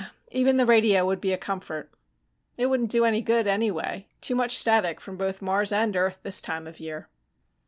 "Even the radio would be a comfort." "It wouldn't do any good, any way. Too much static from both Mars and Earth this time of year."